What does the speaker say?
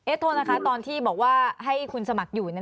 โทษนะคะตอนที่บอกว่าให้คุณสมัครอยู่